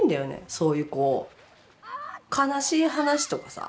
そういうこう悲しい話とかさ